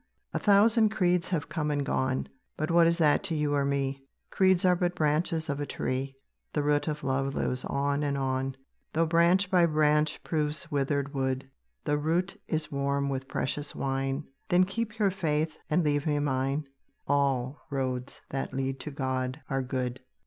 A thousand creeds have come and gone; But what is that to you or me? Creeds are but branches of a tree, The root of love lives on and on. Though branch by branch proves withered wood, The root is warm with precious wine; Then keep your faith, and leave me mine; All roads that lead to God are good.